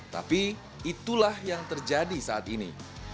tapi itulah yang terjadi saat ini